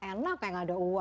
enak yang ada uang